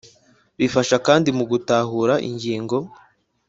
Bifasha kandi mu gutahura ingingo